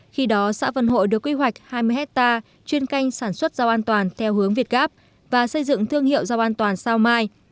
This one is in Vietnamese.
khi đó xã vân hội được quy hoạch hai mươi hectare chuyên canh sản xuất rau an toàn theo hướng việt gáp và xây dựng thương hiệu rau an toàn sao mai